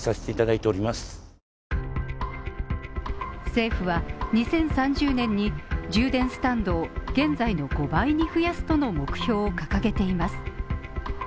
政府は２０３０年に充電スタンドを現在の５倍に増やすとの目標を掲げています